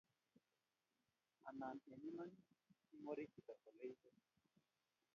Anan eng iman ingwari chito oleite